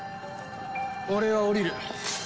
俺は降りる。